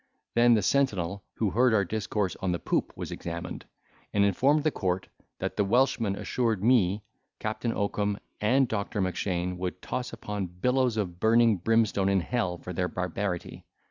Then the sentinel, who heard our discourse on the poop was examined, and informed the court that the Welshman assured me, Captain Oakum and Doctor Mackshane would toss upon billows of burning brimstone in hell for their barbarity.